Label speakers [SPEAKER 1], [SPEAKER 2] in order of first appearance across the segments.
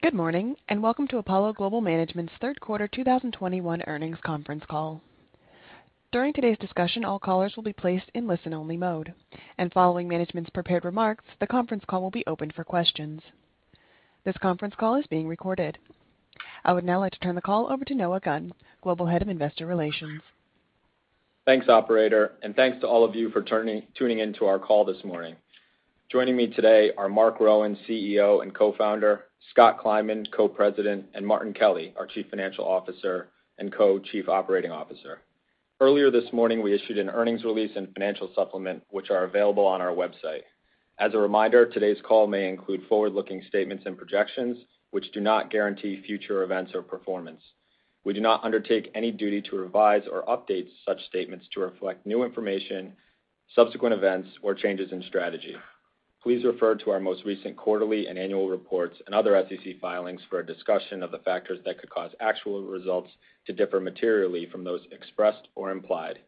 [SPEAKER 1] Good morning, and welcome to Apollo Global Management's third quarter 2021 earnings conference call. During today's discussion, all callers will be placed in listen-only mode. Following management's prepared remarks, the conference call will be opened for questions. This conference call is being recorded. I would now like to turn the call over to Noah Gunn, Global Head of Investor Relations.
[SPEAKER 2] Thanks, operator, and thanks to all of you for tuning in to our call this morning. Joining me today are Marc Rowan, CEO and Co-Founder, Scott Kleinman, Co-President, and Martin Kelly, our Chief Financial Officer and Co-Chief Operating Officer. Earlier this morning, we issued an earnings release and financial supplement, which are available on our website. As a reminder, today's call may include forward-looking statements and projections, which do not guarantee future events or performance. We do not undertake any duty to revise or update such statements to reflect new information, subsequent events, or changes in strategy. Please refer to our most recent quarterly and annual reports and other SEC filings for a discussion of the factors that could cause actual results to differ materially from those expressed or implied.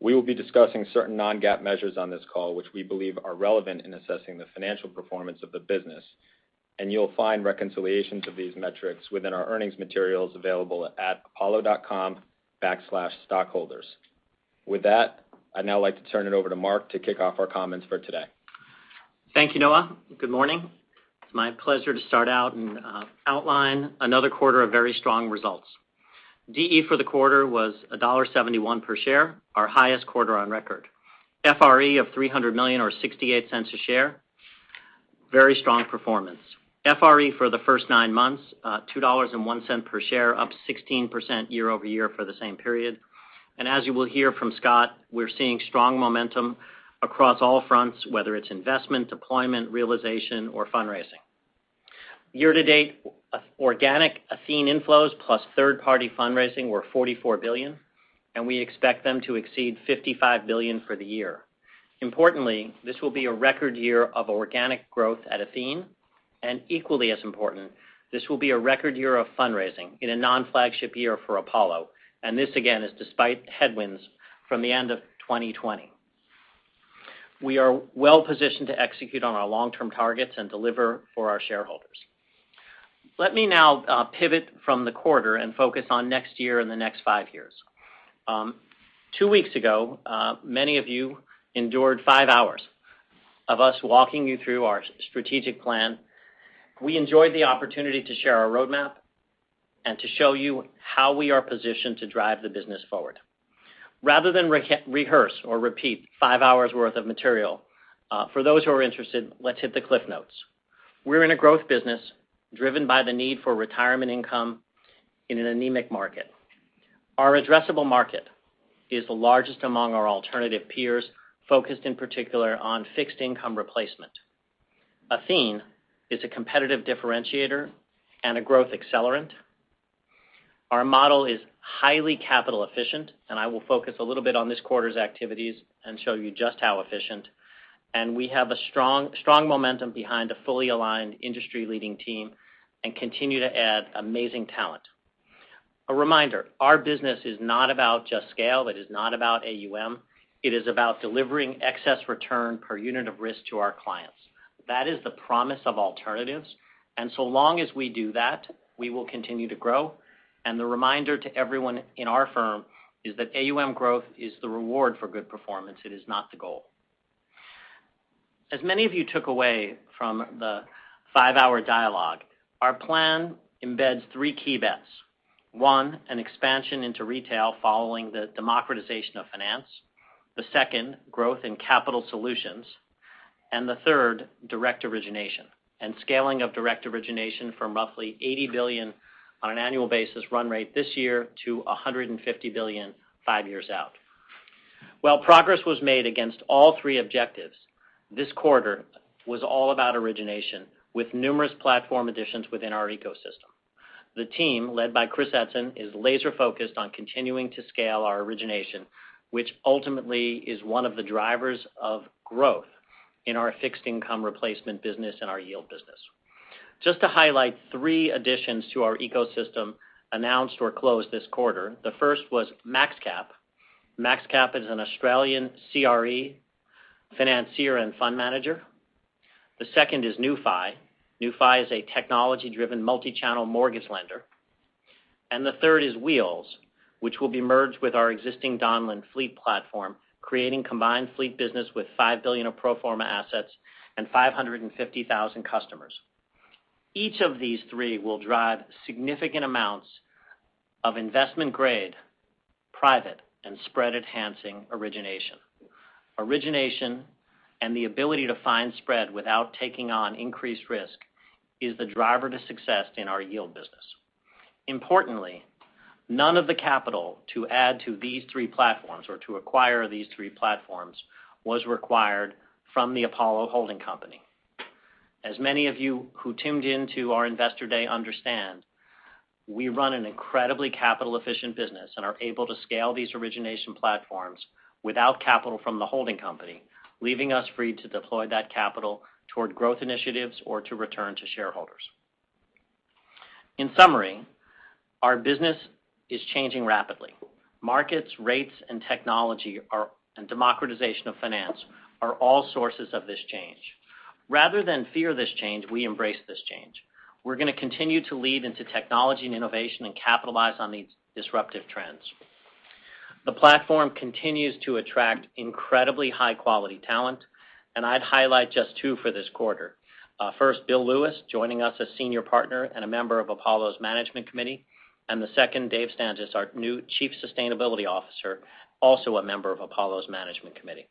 [SPEAKER 2] We will be discussing certain non-GAAP measures on this call, which we believe are relevant in assessing the financial performance of the business, and you'll find reconciliations of these metrics within our earnings materials available at apollo.com/stockholders. With that, I'd now like to turn it over to Marc to kick off our comments for today.
[SPEAKER 3] Thank you, Noah. Good morning. It's my pleasure to start out and outline another quarter of very strong results. DE for the quarter was $1.71 per share, our highest quarter on record. FRE of $300 million or $0,68 a share, very strong performance. FRE for the first nine months, $2.01 per share, up 16% year-over-year for the same period. As you will hear from Scott, we're seeing strong momentum across all fronts, whether it's investment, deployment, realization, or fundraising. Yea-to-date, organic Athene inflows plus third-party fundraising were $44 billion, and we expect them to exceed $55 billion for the year. Importantly, this will be a record year of organic growth at Athene, and equally as important, this will be a record year of fundraising in a non-flagship year for Apollo, and this again is despite headwinds from the end of 2020. We are well-positioned to execute on our long-term targets and deliver for our shareholders. Let me now pivot from the quarter and focus on next year and the next five years. Two weeks ago, many of you endured five hours of us walking you through our strategic plan. We enjoyed the opportunity to share our roadmap and to show you how we are positioned to drive the business forward. Rather than rehearse or repeat five hours worth of material, for those who are interested, let's hit the cliff notes. We're in a growth business driven by the need for retirement income in an anemic market. Our addressable market is the largest among our alternative peers, focused in particular on fixed income replacement. Athene is a competitive differentiator and a growth accelerant. Our model is highly capital efficient, and I will focus a little bit on this quarter's activities and show you just how efficient and we have a strong momentum behind a fully aligned industry-leading team and continue to add amazing talent. A reminder, our business is not about just scale, it is not about AUM, it is about delivering excess return per unit of risk to our clients. That is the promise of alternatives and so long as we do that, we will continue to grow. The reminder to everyone in our firm is that AUM growth is the reward for good performance. It is not the goal. As many of you took away from the five-hour dialogue, our plan embeds three key bets. One, an expansion into retail following the democratization of finance. The second, growth in Capital Solutions. The third, direct origination and scaling of direct origination from roughly $80 billion on an annual basis run rate this year to $150 billion five years out. While progress was made against all three objectives, this quarter was all about origination with numerous platform additions within our ecosystem. The team, led by Chris Edson, is laser-focused on continuing to scale our origination, which ultimately is one of the drivers of growth in our fixed income replacement business and our yield business. Just to highlight three additions to our ecosystem announced or closed this quarter. The first was MaxCap. MaxCap is an Australian CRE financier and fund manager. The second is Newfi. Newfi is a technology-driven multi-channel mortgage lender. The third is Wheels, which will be merged with our existing Donlen fleet platform, creating combined fleet business with $5 billion of pro forma assets and 550,000 customers. Each of these three will drive significant amounts of investment-grade, private, and spread-enhancing origination. Origination and the ability to find spread without taking on increased risk is the driver to success in our yield business. Importantly, none of the capital to add to these three platforms or to acquire these three platforms was required from the Apollo Holding Company. As many of you who tuned into our Investor Day understand, we run an incredibly capital-efficient business and are able to scale these origination platforms without capital from the holding company, leaving us free to deploy that capital toward growth initiatives or to return to shareholders. In summary, our business is changing rapidly. Markets, rates, and technology are, and democratization of finance are all sources of this change. Rather than fear this change, we embrace this change. We're gonna continue to lead into technology and innovation and capitalize on these disruptive trends. The platform continues to attract incredibly high-quality talent, and I'd highlight just two for this quarter. First Bill Lewis, joining us as Senior Partner and a member of Apollo's management committee, and the second, Dave Stangis, our new Chief Sustainability Officer, also a member of Apollo's management committee.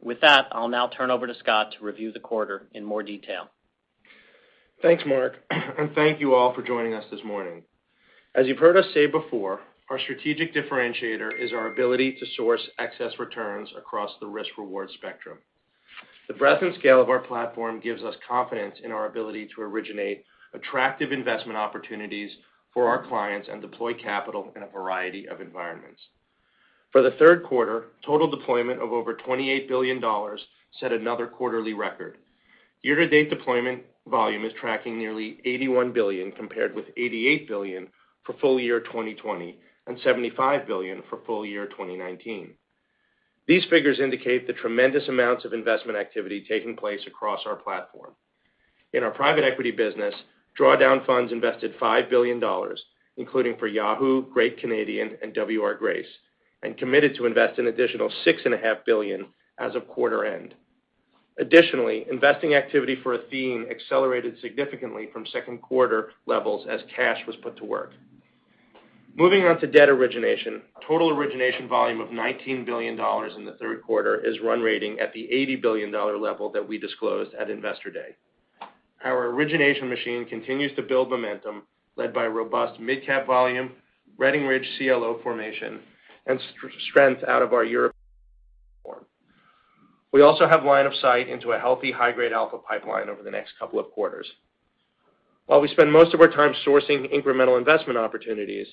[SPEAKER 3] With that, I'll now turn over to Scott to review the quarter in more detail.
[SPEAKER 4] Thanks, Marc. Thank you all for joining us this morning. As you've heard us say before, our strategic differentiator is our ability to source excess returns across the risk-reward spectrum. The breadth and scale of our platform gives us confidence in our ability to originate attractive investment opportunities for our clients and deploy capital in a variety of environments. For the third quarter, total deployment of over $28 billion set another quarterly record. Year-to-date deployment volume is tracking nearly $81 billion, compared with $88 billion for full year 2020 and $75 billion for full year 2019. These figures indicate the tremendous amounts of investment activity taking place across our platform. In our private equity business, drawdown funds invested $5 billion, including for Yahoo, Great Canadian, and W. R. Grace, and committed to invest an additional $6.5 billion as of quarter-end. Additionally, investing activity for Athene accelerated significantly from second quarter levels as cash was put to work. Moving on to debt origination. Total origination volume of $19 billion in the third quarter is run-rating at the $80 billion level that we disclosed at Investor Day. Our origination machine continues to build momentum, led by robust midcap volume, Redding Ridge CLO formation, and strength out of our European firm. We also have line of sight into a healthy high-grade alpha pipeline over the next couple of quarters. While we spend most of our time sourcing incremental investment opportunities,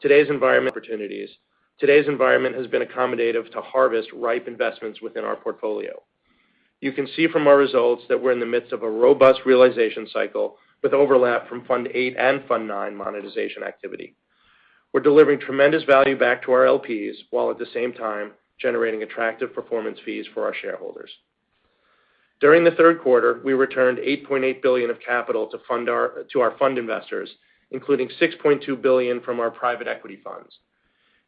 [SPEAKER 4] today's environment has been accommodative to harvest ripe investments within our portfolio. You can see from our results that we're in the midst of a robust realization cycle with overlap from Fund VIII and Fund IX monetization activity. We're delivering tremendous value back to our LPs, while at the same time, generating attractive performance fees for our shareholders. During the third quarter, we returned $8.8 billion of capital to our fund investors, including $6.2 billion from our private equity funds.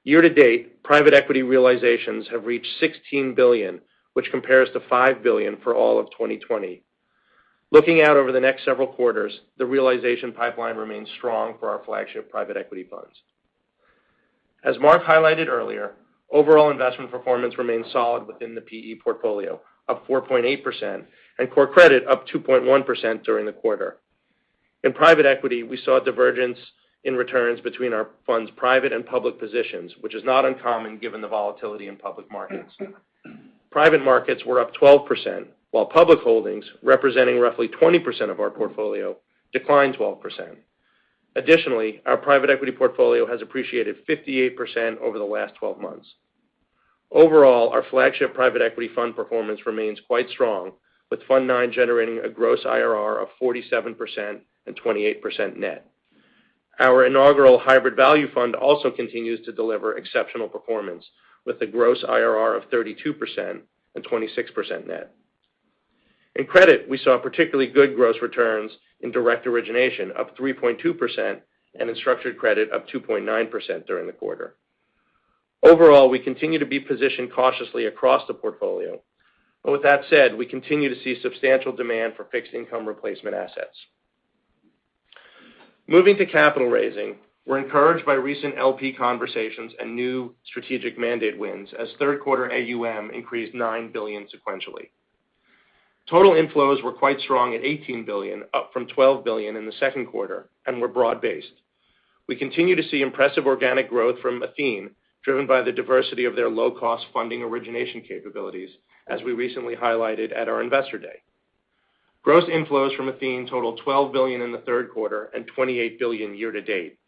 [SPEAKER 4] Year-to-date, private equity realizations have reached $16 billion, which compares to $5 billion for all of 2020. Looking out over the next several quarters, the realization pipeline remains strong for our flagship private equity funds. As Marc highlighted earlier, overall investment performance remains solid within the PE portfolio, up 4.8%, and core credit up 2.1% during the quarter. In private equity, we saw divergence in returns between our funds' private and public positions, which is not uncommon given the volatility in public markets. Private markets were up 12%, while public holdings, representing roughly 20% of our portfolio, declined 12%. Additionally, our private equity portfolio has appreciated 58% over the last 12 months. Overall, our flagship private equity fund performance remains quite strong, with Fund IX generating a gross IRR of 47% and 28% net. Our inaugural Hybrid Value fund also continues to deliver exceptional performance with a gross IRR of 32% and 26% net. In credit, we saw particularly good gross returns in direct origination, up 3.2%, and in structured credit, up 2.9% during the quarter. Overall, we continue to be positioned cautiously across the portfolio. With that said, we continue to see substantial demand for fixed income replacement assets. Moving to capital raising. We're encouraged by recent LP conversations and new strategic mandate wins as third quarter AUM increased $9 billion sequentially. Total inflows were quite strong at $18 billion, up from $12 billion in the second quarter and were broad-based. We continue to see impressive organic growth from Athene, driven by the diversity of their low-cost funding origination capabilities, as we recently highlighted at our Investor Day. Gross inflows from Athene totaled $12 billion in the third quarter and $28 billion year-to-date.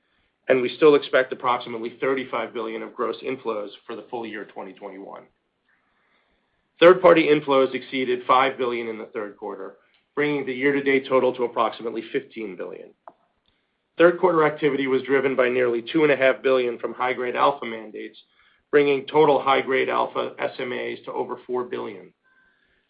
[SPEAKER 4] We still expect approximately $35 billion of gross inflows for the full year 2021. Third-party inflows exceeded $5 billion in the third quarter, bringing the year-to-date total to approximately $15 billion. Third quarter activity was driven by nearly $2.5 billion from high grade alpha mandates, bringing total high grade alpha SMAs to over $4 billion.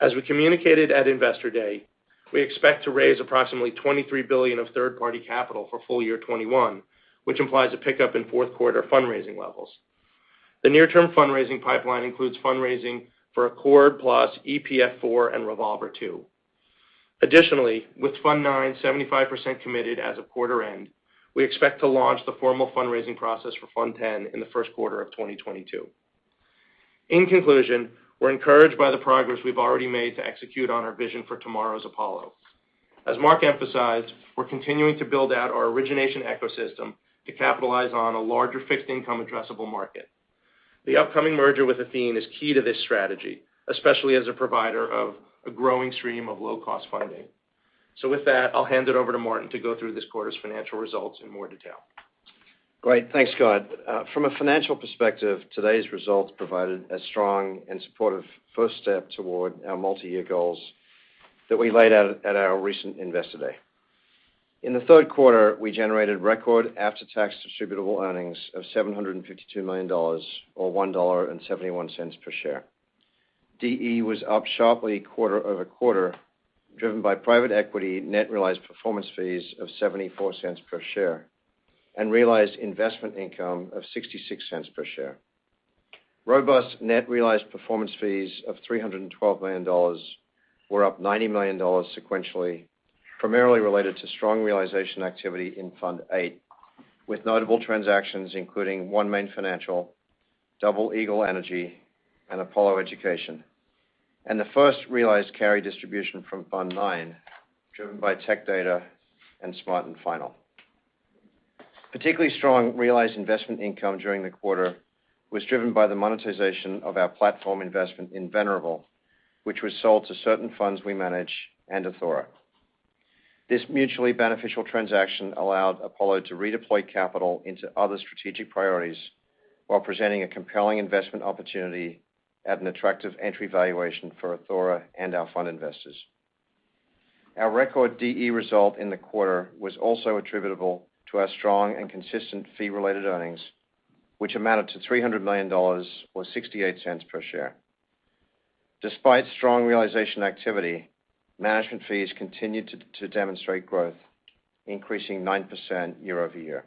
[SPEAKER 4] As we communicated at Investor Day, we expect to raise approximately $23 billion of third-party capital for full year 2021, which implies a pickup in fourth quarter fundraising levels. The near-term fundraising pipeline includes fundraising for Accord+ EPF IV and Revolver II. Additionally, with Fund IX 75% committed as of quarter end, we expect to launch the formal fundraising process for Fund X in the first quarter of 2022. In conclusion, we're encouraged by the progress we've already made to execute on our vision for tomorrow's Apollo. As Marc emphasized, we're continuing to build out our origination ecosystem to capitalize on a larger fixed income addressable market. The upcoming merger with Athene is key to this strategy, especially as a provider of a growing stream of low-cost funding. With that, I'll hand it over to Martin to go through this quarter's financial results in more detail.
[SPEAKER 5] Great. Thanks, Scott. From a financial perspective, today's results provided a strong and supportive first step toward our multi-year goals that we laid out at our recent Investor Day. In the third quarter, we generated record after-tax distributable earnings of $752 million or $1.71 per share. DE was up sharply quarter-over-quarter, driven by private equity net realized performance fees of $0.74 per share, and realized investment income of $0.66 per share. Robust net realized performance fees of $312 million were up $90 million sequentially, primarily related to strong realization activity in Fund VIII, with notable transactions including OneMain Financial, DoublePoint Energy, and Apollo Education. The first realized carry distribution from Fund IX, driven by Tech Data and Smart & Final. Particularly strong realized investment income during the quarter was driven by the monetization of our platform investment in Venerable, which was sold to certain funds we manage and Athora. This mutually beneficial transaction allowed Apollo to redeploy capital into other strategic priorities while presenting a compelling investment opportunity at an attractive entry valuation for Athora and our fund investors. Our record DE result in the quarter was also attributable to our strong and consistent fee-related earnings, which amounted to $300 million or $0.68 per share. Despite strong realization activity, management fees continued to demonstrate growth, increasing 9% year-over-year.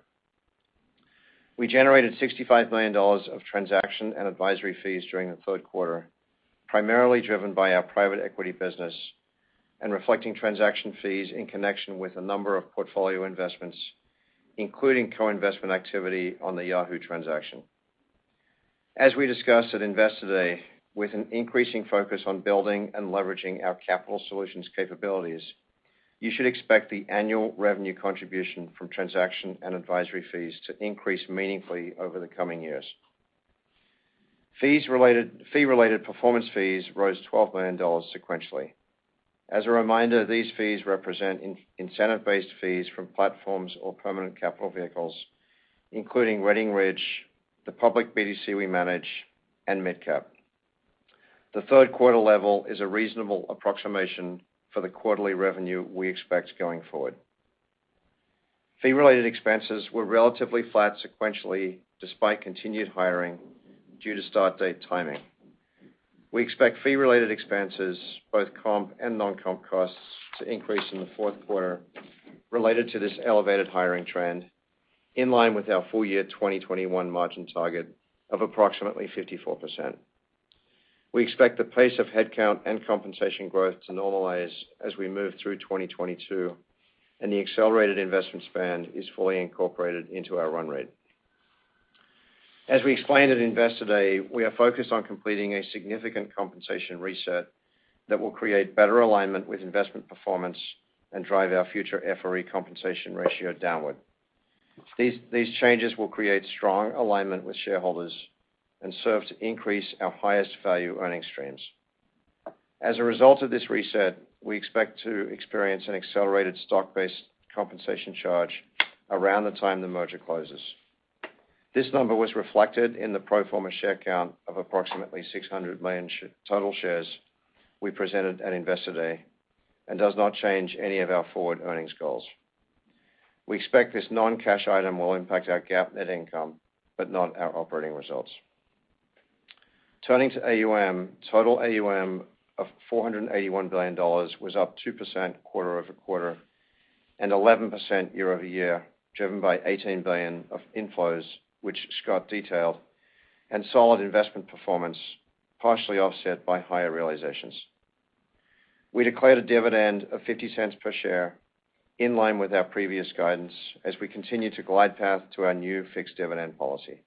[SPEAKER 5] We generated $65 million of transaction and advisory fees during the third quarter, primarily driven by our private equity business and reflecting transaction fees in connection with a number of portfolio investments, including co-investment activity on the Yahoo transaction. As we discussed at Investor Day, with an increasing focus on building and leveraging our Capital Solutions capabilities, you should expect the annual revenue contribution from transaction and advisory fees to increase meaningfully over the coming years. Fee-related performance fees rose $12 million sequentially. As a reminder, these fees represent incentive-based fees from platforms or permanent capital vehicles, including Redding Ridge, the public BDC we manage, and MidCap. The third quarter level is a reasonable approximation for the quarterly revenue we expect going forward. Fee-related expenses were relatively flat sequentially, despite continued hiring due to start date timing. We expect fee-related expenses, both comp and non-comp costs, to increase in the fourth quarter related to this elevated hiring trend, in line with our full year 2021 margin target of approximately 54%. We expect the pace of headcount and compensation growth to normalize as we move through 2022, and the accelerated investment spend is fully incorporated into our run rate. As we explained at Investor Day, we are focused on completing a significant compensation reset that will create better alignment with investment performance and drive our future FRE compensation ratio downward. These changes will create strong alignment with shareholders and serve to increase our highest value earnings streams. As a result of this reset, we expect to experience an accelerated stock-based compensation charge around the time the merger closes. This number was reflected in the pro forma share count of approximately 600 million total shares we presented at Investor Day and does not change any of our forward earnings goals. We expect this non-cash item will impact our GAAP net income, but not our operating results. Turning to AUM, total AUM of $481 billion was up 2% quarter-over-quarter and 11% year-over-year, driven by $18 billion of inflows, which Scott detailed, and solid investment performance, partially offset by higher realizations. We declared a dividend of $0.50 per share in line with our previous guidance as we continue to glide path to our new fixed dividend policy.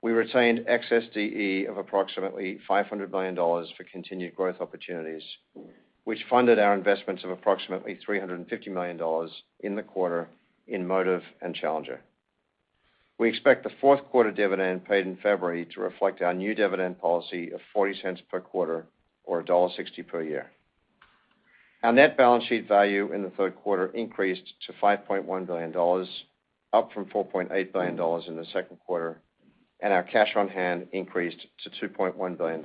[SPEAKER 5] We retained excess DE of approximately $500 million for continued growth opportunities, which funded our investments of approximately $350 million in the quarter in Motive and Challenger. We expect the fourth quarter dividend paid in February to reflect our new dividend policy of $0.40 per quarter or $1.60 per year. Our net balance sheet value in the third quarter increased to $5.1 billion, up from $4.8 billion in the second quarter, and our cash on hand increased to $2.1 billion.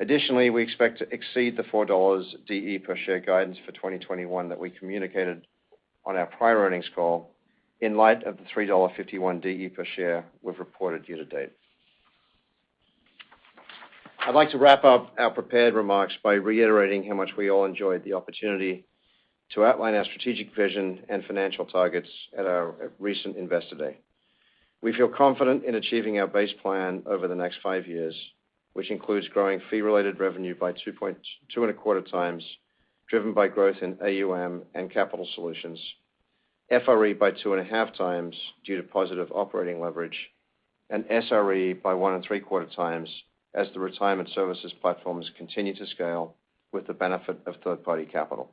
[SPEAKER 5] Additionally, we expect to exceed the $4 DE per share guidance for 2021 that we communicated on our prior earnings call in light of the $3.51 DE per share we've reported year to date. I'd like to wrap up our prepared remarks by reiterating how much we all enjoyed the opportunity to outline our strategic vision and financial targets at our recent Investor Day. We feel confident in achieving our base plan over the next five years, which includes growing fee-related earnings by 2.25x, driven by growth in AUM and Capital Solutions, FRE by 2.5x due to positive operating leverage, and SRE by 1.75x as the retirement services platforms continue to scale with the benefit of third-party capital.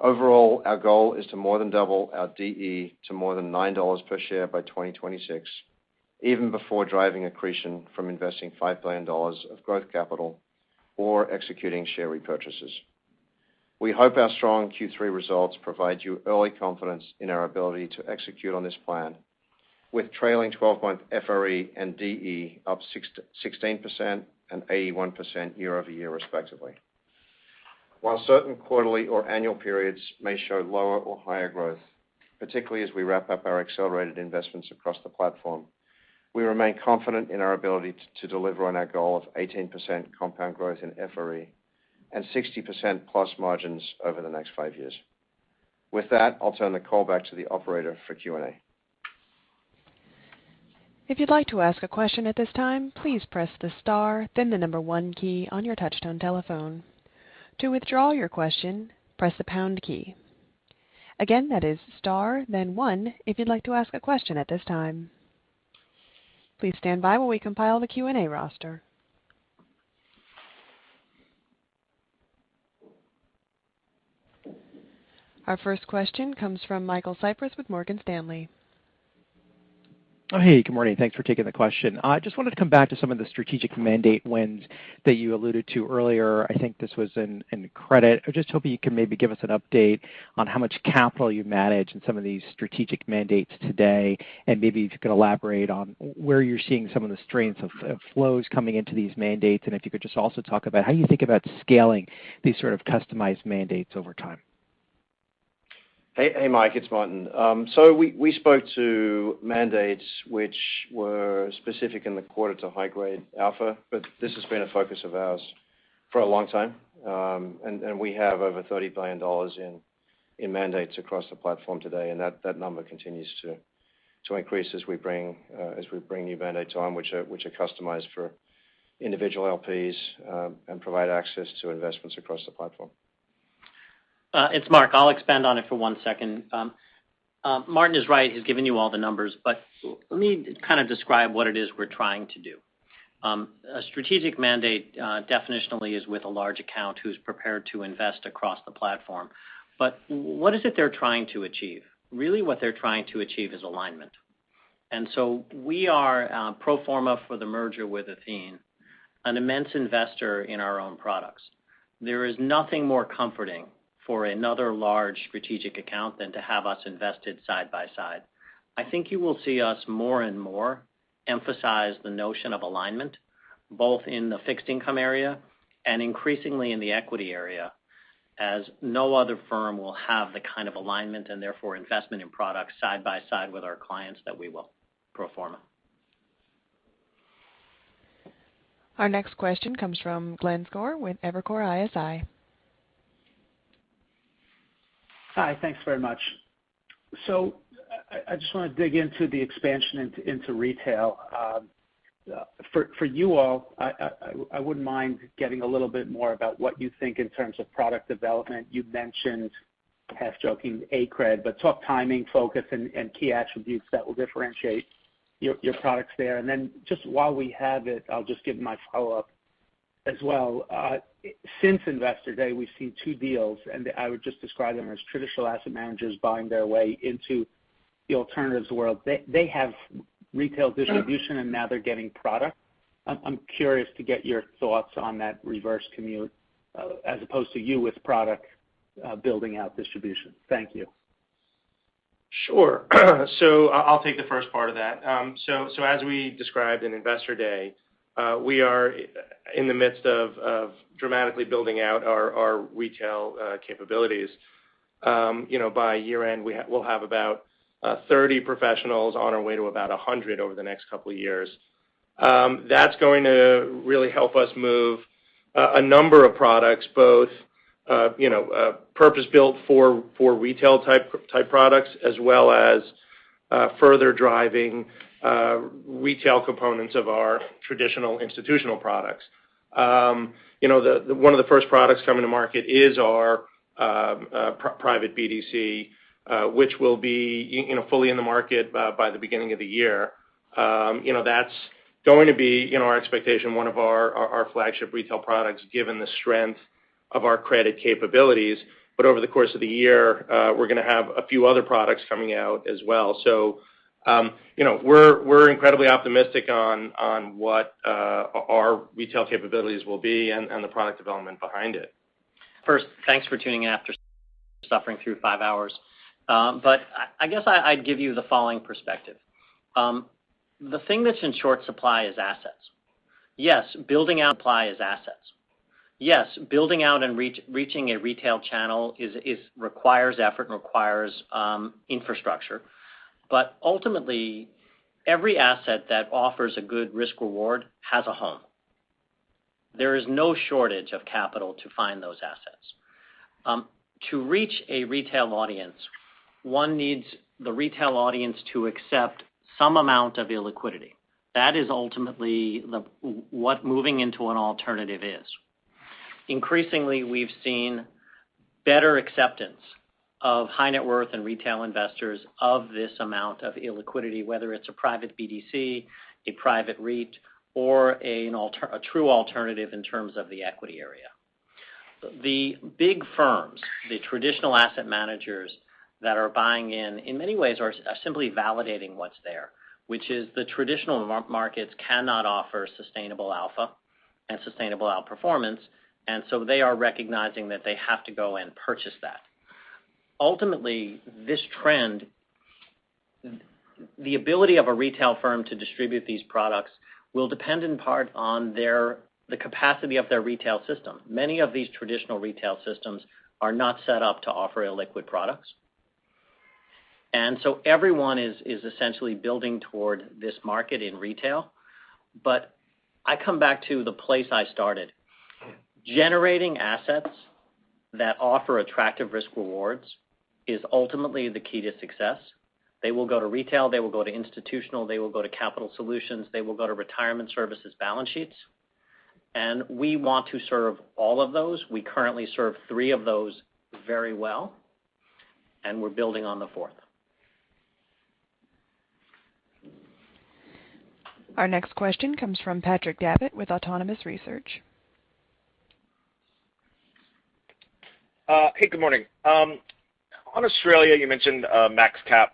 [SPEAKER 5] Overall, our goal is to more than double our DE to more than $9 per share by 2026, even before driving accretion from investing $5 billion of growth capital or executing share repurchases. We hope our strong Q3 results provide you early confidence in our ability to execute on this plan with trailing 12-month FRE and DE up 16% and 81% year-over-year, respectively. While certain quarterly or annual periods may show lower or higher growth, particularly as we wrap up our accelerated investments across the platform, we remain confident in our ability to deliver on our goal of 18% compound growth in FRE and 60%+ margins over the next five years. With that, I'll turn the call back to the operator for Q&A.
[SPEAKER 1] Our first question comes from Michael Cyprys with Morgan Stanley.
[SPEAKER 6] Oh, hey, good morning. Thanks for taking the question. I just wanted to come back to some of the strategic mandate wins that you alluded to earlier. I think this was in credit. I'm just hoping you can maybe give us an update on how much capital you manage in some of these strategic mandates today, and maybe if you could elaborate on where you're seeing some of the strengths of flows coming into these mandates, and if you could just also talk about how you think about scaling these sort of customized mandates over time.
[SPEAKER 5] Hey, Mike, it's Martin. We spoke to mandates which were specific in the quarter to high-grade alpha, but this has been a focus of ours for a long time. We have over $30 billion in mandates across the platform today, and that number continues to increase as we bring new mandates on which are customized for individual LPs and provide access to investments across the platform.
[SPEAKER 3] It's Marc. I'll expand on it for one second. Martin is right. He's given you all the numbers. Let me kind of describe what it is we're trying to do. A strategic mandate, definitionally is with a large account who's prepared to invest across the platform. What is it they're trying to achieve? Really, what they're trying to achieve is alignment. We are, pro forma for the merger with Athene, an immense investor in our own products. There is nothing more comforting for another large strategic account than to have us invested side by side. I think you will see us more and more emphasize the notion of alignment, both in the fixed income area and increasingly in the equity area, as no other firm will have the kind of alignment and therefore investment in products side by side with our clients that we will pro forma.
[SPEAKER 1] Our next question comes from Glenn Schorr with Evercore ISI.
[SPEAKER 7] Hi. Thanks very much. I just wanna dig into the expansion into retail. For you all, I wouldn't mind getting a little bit more about what you think in terms of product development. You've mentioned half-joking ACRED, but talk timing, focus and key attributes that will differentiate your products there. Just while we have it, I'll just give my follow-up as well. Since Investor Day, we've seen two deals, and I would just describe them as traditional asset managers buying their way into the alternatives world. They have retail distribution, and now they're getting product. I'm curious to get your thoughts on that reverse commute, as opposed to you with product, building out distribution. Thank you.
[SPEAKER 4] Sure. I'll take the first part of that. As we described in Investor Day, we are in the midst of dramatically building out our retail capabilities. You know, by year-end, we'll have about 30 professionals on our way to about 100 over the next couple of years. That's going to really help us move a number of products, both, you know, purpose-built for retail type products, as well as further driving retail components of our traditional institutional products. You know, the one of the first products coming to market is our private BDC, which will be, you know, fully in the market by the beginning of the year. You know, that's going to be, you know, our expectation one of our flagship retail products, given the strength of our credit capabilities. Over the course of the year, we're gonna have a few other products coming out as well. You know, we're incredibly optimistic on what our retail capabilities will be and the product development behind it.
[SPEAKER 3] First, thanks for tuning in after suffering through five hours. I guess I'd give you the following perspective. The thing that's in short supply is assets. Yes, building out and reaching a retail channel requires effort and infrastructure. Ultimately, every asset that offers a good risk-reward has a home. There is no shortage of capital to find those assets. To reach a retail audience, one needs the retail audience to accept some amount of illiquidity. That is ultimately what moving into an alternative is. Increasingly, we've seen better acceptance of high net worth and retail investors of this amount of illiquidity, whether it's a private BDC, a private REIT, or a true alternative in terms of the equity area. The big firms, the traditional asset managers that are buying in many ways are simply validating what's there, which is the traditional markets cannot offer sustainable alpha and sustainable outperformance, and so they are recognizing that they have to go and purchase that. Ultimately, this trend. The ability of a retail firm to distribute these products will depend in part on the capacity of their retail system. Many of these traditional retail systems are not set up to offer illiquid products. Everyone is essentially building toward this market in retail, but I come back to the place I started. Generating assets that offer attractive risk rewards is ultimately the key to success. They will go to retail, they will go to institutional, they will go to Capital Solutions, they will go to retirement services balance sheets. We want to serve all of those. We currently serve three of those very well, and we're building on the fourth.
[SPEAKER 1] Our next question comes from Patrick Davitt with Autonomous Research.
[SPEAKER 8] Hey, good morning. On Australia, you mentioned MaxCap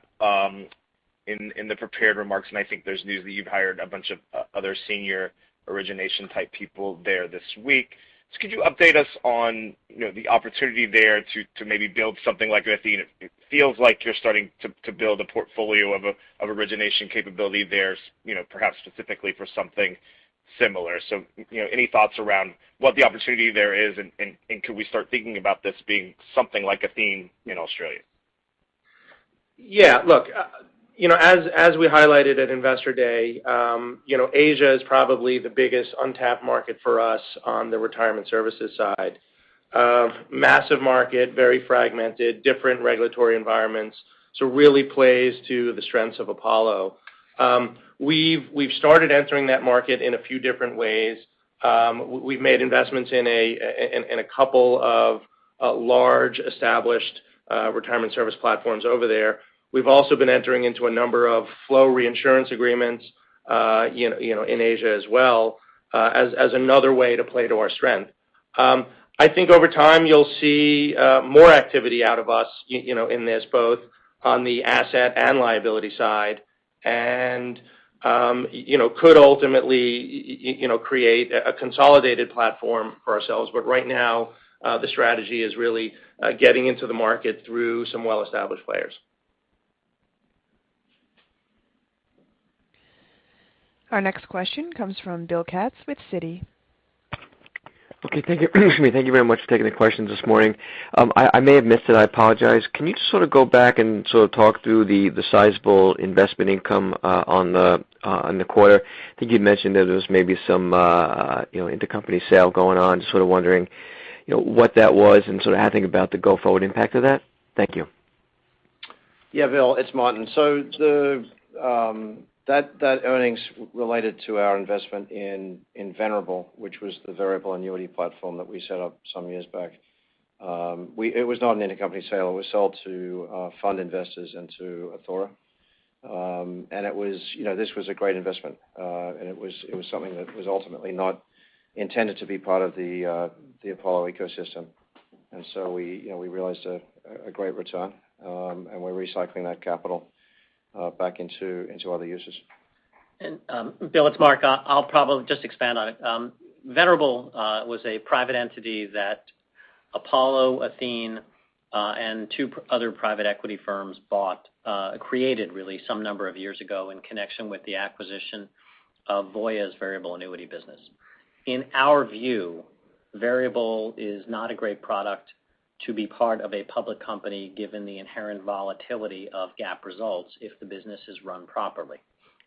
[SPEAKER 8] in the prepared remarks, and I think there's news that you've hired a bunch of other senior origination type people there this week. Could you update us on, you know, the opportunity there to maybe build something like Athene? It feels like you're starting to build a portfolio of origination capability there, you know, perhaps specifically for something similar. You know, any thoughts around what the opportunity there is, and could we start thinking about this being something like Athene in Australia?
[SPEAKER 3] Yeah. Look, you know, as we highlighted at Investor Day, you know, Asia is probably the biggest untapped market for us on the retirement services side. Massive market, very fragmented, different regulatory environments. So really plays to the strengths of Apollo. We've started entering that market in a few different ways. We've made investments in a couple of large established retirement service platforms over there. We've also been entering into a number of flow reinsurance agreements, you know, in Asia as well, as another way to play to our strength. I think over time, you'll see more activity out of us, you know, in this, both on the asset and liability side. You know, could ultimately create a consolidated platform for ourselves. Right now, the strategy is really getting into the market through some well-established players.
[SPEAKER 1] Our next question comes from Bill Katz with Citi.
[SPEAKER 9] Okay. Thank you. Excuse me. Thank you very much for taking the questions this morning. I may have missed it. I apologize. Can you just sort of go back and sort of talk through the sizable investment income on the quarter? I think you'd mentioned that there was maybe some you know, intercompany sale going on. Just sort of wondering, you know, what that was and sort of how to think about the go-forward impact of that. Thank you.
[SPEAKER 5] Yeah, Bill, it's Martin. The earnings related to our investment in Venerable, which was the variable annuity platform that we set up some years back. It was not an intercompany sale. It was sold to fund investors and to Athora. It was, you know, this was a great investment, and it was something that was ultimately not intended to be part of the Apollo ecosystem and so we, you know, we realized a great return, and we're recycling that capital back into other uses.
[SPEAKER 3] Bill, it's Marc. I'll probably just expand on it. Venerable was a private entity that Apollo, Athene, and two other private equity firms bought, created really some number of years ago in connection with the acquisition of Voya's variable annuity business. In our view, variable is not a great product to be part of a public company, given the inherent volatility of GAAP results if the business is run properly.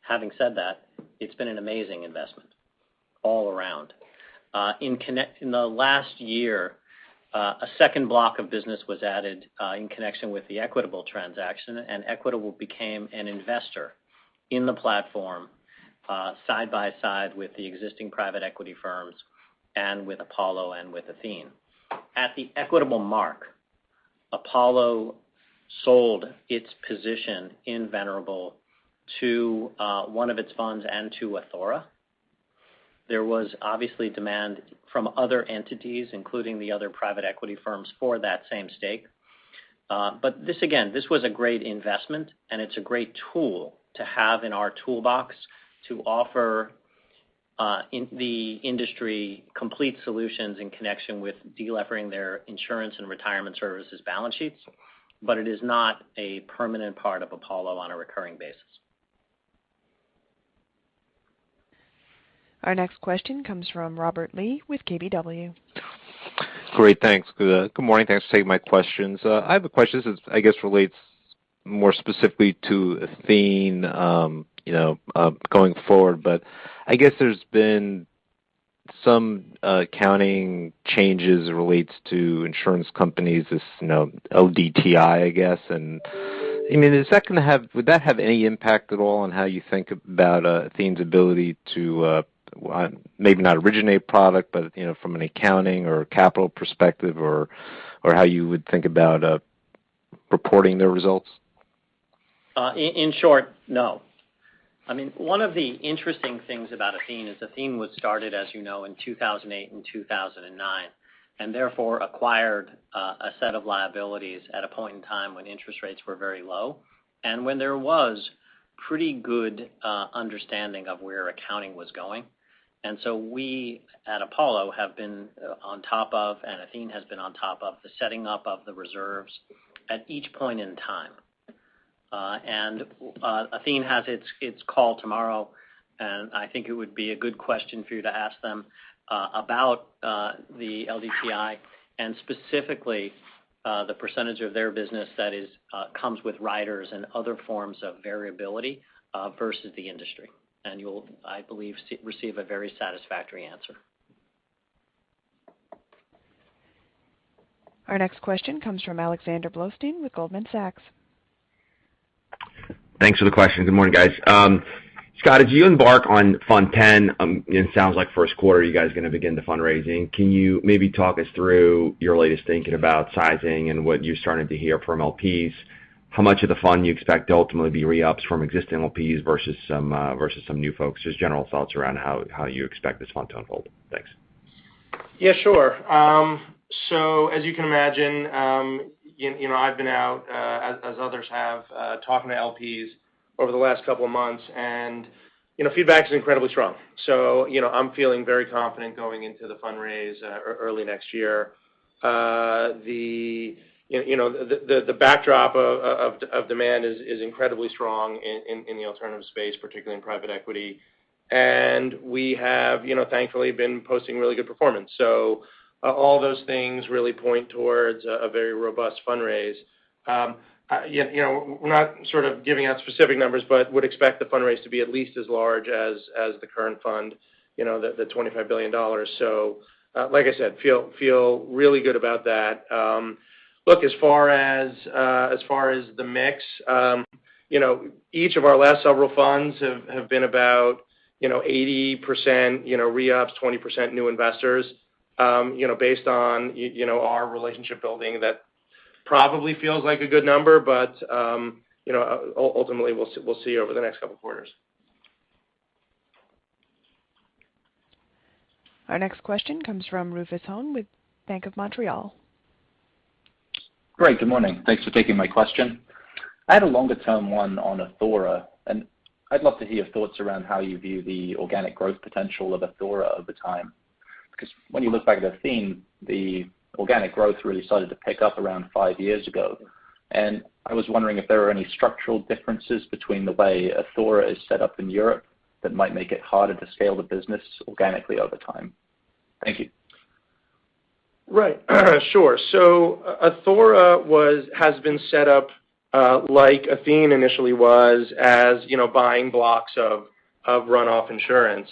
[SPEAKER 3] Having said that, it's been an amazing investment all around. In the last year, a second block of business was added, in connection with the Equitable transaction, and Equitable became an investor in the platform, side by side with the existing private equity firms and with Apollo and with Athene. At the Equitable mark, Apollo sold its position in Venerable to one of its funds and to Athora. There was obviously demand from other entities, including the other private equity firms for that same stake. This again, this was a great investment, and it's a great tool to have in our toolbox to offer the industry complete solutions in connection with delevering their insurance and retirement services balance sheets, but it is not a permanent part of Apollo on a recurring basis.
[SPEAKER 1] Our next question comes from Robert Lee with KBW.
[SPEAKER 10] Great. Thanks. Good morning. Thanks for taking my questions. I have a question. This is, I guess, relates more specifically to Athene, you know, going forward. I guess, there's been some accounting changes relates to insurance companies as, you know, LDTI, I guess. And I mean, would that have any impact at all on how you think about, Athene's ability to, maybe not originate product, but, you know, from an accounting or a capital perspective or, how you would think about, reporting their results?
[SPEAKER 3] In short, no. I mean, one of the interesting things about Athene is Athene was started, as you know, in 2008 and 2009, and therefore acquired a set of liabilities at a point in time when interest rates were very low and when there was pretty good understanding of where accounting was going. We at Apollo have been on top of, and Athene has been on top of the setting up of the reserves at each point in time. Athene has its call tomorrow, and I think it would be a good question for you to ask them about the LDTI and specifically the percentage of their business that comes with riders and other forms of variability versus the industry. You'll, I believe, receive a very satisfactory answer.
[SPEAKER 1] Our next question comes from Alexander Blostein with Goldman Sachs.
[SPEAKER 11] Thanks for the question. Good morning, guys. Scott, as you embark on Fund X, it sounds like first quarter you guys are gonna begin the fundraising. Can you maybe talk us through your latest thinking about sizing and what you're starting to hear from LPs? How much of the fund you expect to ultimately be re-ups from existing LPs versus some new folks? Just general thoughts around how you expect this fund to unfold. Thanks.
[SPEAKER 4] Yeah, sure. As you can imagine, you know, I've been out, as others have, talking to LPs over the last couple of months, and you know, feedback is incredibly strong. You know, I'm feeling very confident going into the fundraise early next year. You know, the backdrop of demand is incredibly strong in the alternative space, particularly in private equity. We have, you know, thankfully been posting really good performance. All those things really point towards a very robust fundraise. You know, we're not sort of giving out specific numbers, but would expect the fundraise to be at least as large as the current fund, you know, the $25 billion. Like I said, feel really good about that. Look, as far as the mix, you know, each of our last several funds have been about 80% re-ups, 20% new investors, you know, based on our relationship building. That probably feels like a good number, but you know, ultimately, we'll see over the next couple quarters.
[SPEAKER 1] Our next question comes from Rufus Hone with Bank of Montreal.
[SPEAKER 12] Great. Good morning. Thanks for taking my question. I had a longer-term one on Athora, and I'd love to hear your thoughts around how you view the organic growth potential of Athora over time. Because when you look back at Athene, the organic growth really started to pick up around five years ago. I was wondering if there are any structural differences between the way Athora is set up in Europe that might make it harder to scale the business organically over time. Thank you.
[SPEAKER 4] Right? Sure. Athora was, has been set up, like Athene initially was as, you know, buying blocks of runoff insurance.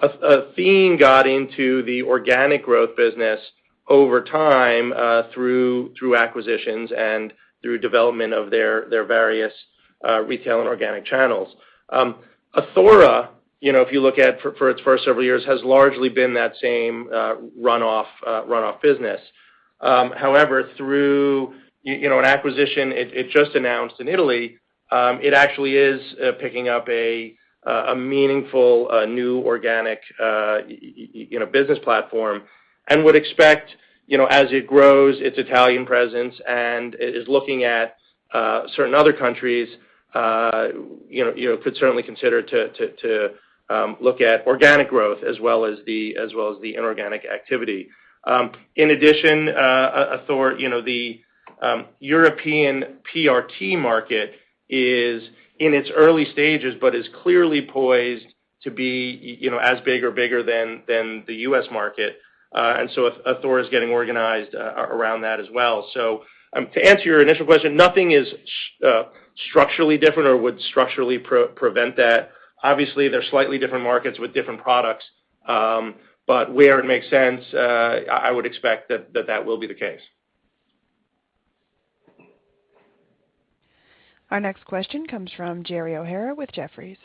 [SPEAKER 4] Athene got into the organic growth business over time, through acquisitions and through development of their various retail and organic channels. Athora, you know, if you look at, for its first several years, has largely been that same runoff business. However, through you know, an acquisition it just announced in Italy, it actually is picking up a meaningful new organic you know, business platform, and would expect, you know, as it grows its Italian presence and is looking at certain other countries, you know, you could certainly consider to look at organic growth as well as the inorganic activity. In addition, Athora, you know, the European PRT market is in its early stages, but is clearly poised to be, you know, as big or bigger than the U.S. market. Athora is getting organized around that as well. To answer your initial question, nothing is structurally different or would structurally prevent that. Obviously, they're slightly different markets with different products but where it makes sense, I would expect that will be the case.
[SPEAKER 1] Our next question comes from Gerald O'Hara with Jefferies.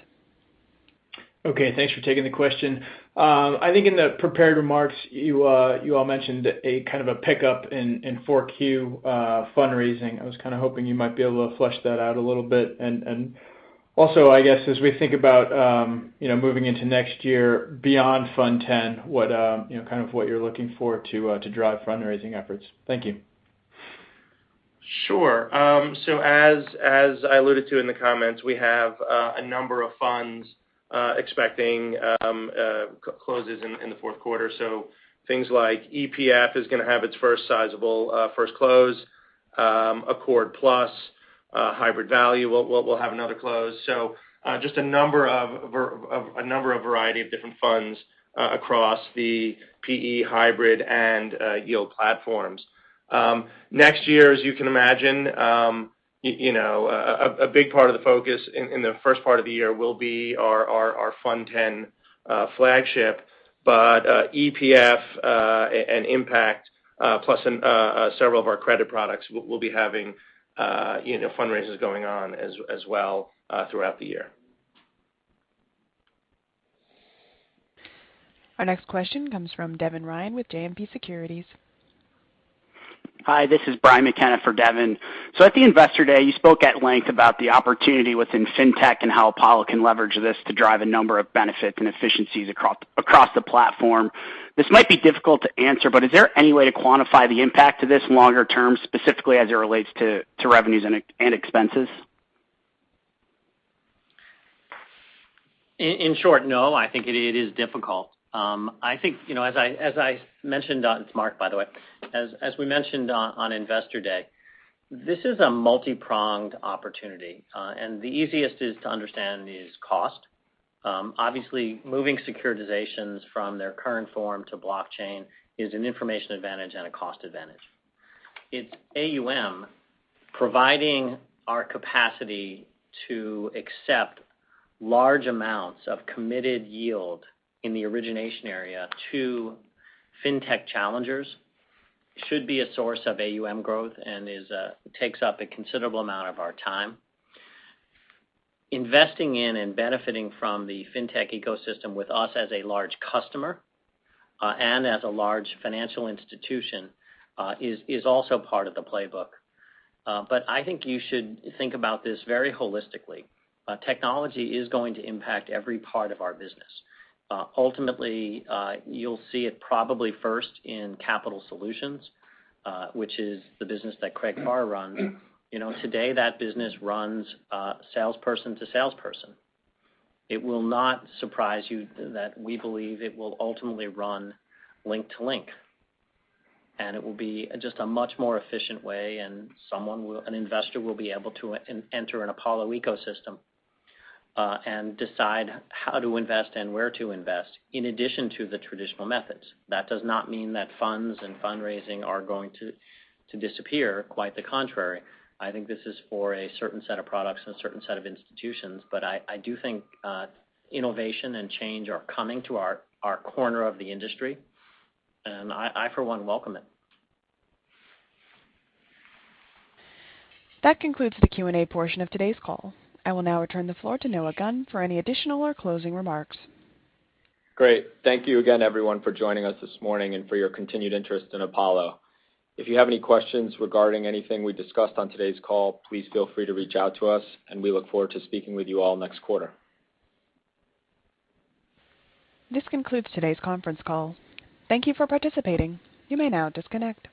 [SPEAKER 13] Okay, thanks for taking the question. I think in the prepared remarks, you all mentioned a kind of a pickup in Q4 fundraising. I was kind of hoping you might be able to flesh that out a little bit. I guess, as we think about you know, moving into next year beyond Fund X, what you know, kind of what you're looking for to drive fundraising efforts. Thank you.
[SPEAKER 4] Sure. As I alluded to in the comments, we have a number of funds expecting closes in the fourth quarter. Things like EPF is gonna have its first sizable close. Accord Plus, Hybrid Value will have another close. Just a number of variety of different funds across the PE hybrid and yield platforms. Next year, as you can imagine, you know, a big part of the focus in the first part of the year will be our Fund X flagship. EPF and Impact plus several of our credit products will be having you know fundraisers going on as well throughout the year.
[SPEAKER 1] Our next question comes from Devin Ryan with JMP Securities.
[SPEAKER 14] Hi, this is Brian McKenna for Devin. At the Investor Day, you spoke at length about the opportunity within fintech and how Apollo can leverage this to drive a number of benefits and efficiencies across the platform. This might be difficult to answer, but is there any way to quantify the impact of this longer term, specifically as it relates to revenues and expenses?
[SPEAKER 3] In short, no, I think it is difficult. I think, you know, as I mentioned on—it's Marc, by the way. As we mentioned on Investor Day, this is a multipronged opportunity. The easiest to understand is cost. Obviously moving securitizations from their current form to blockchain is an information advantage and a cost advantage. It's AUM providing our capacity to accept large amounts of committed yield in the origination area to fintech challengers should be a source of AUM growth and is takes up a considerable amount of our time. Investing in and benefiting from the fintech ecosystem with us as a large customer and as a large financial institution is also part of the playbook. I think you should think about this very holistically. Technology is going to impact every part of our business. Ultimately, you'll see it probably first in Capital Solutions, which is the business that Craig Farr runs. You know, today that business runs salesperson to salesperson. It will not surprise you that we believe it will ultimately run link to link, and it will be just a much more efficient way, and an investor will be able to enter an Apollo ecosystem and decide how to invest and where to invest in addition to the traditional methods. That does not mean that funds and fundraising are going to disappear, quite the contrary. I think this is for a certain set of products and a certain set of institutions. I do think innovation and change are coming to our corner of the industry, and I for one welcome it.
[SPEAKER 1] That concludes the Q&A portion of today's call. I will now return the floor to Noah Gunn for any additional or closing remarks.
[SPEAKER 2] Great. Thank you again everyone for joining us this morning and for your continued interest in Apollo. If you have any questions regarding anything we discussed on today's call, please feel free to reach out to us, and we look forward to speaking with you all next quarter.
[SPEAKER 1] This concludes today's conference call. Thank you for participating. You may now disconnect.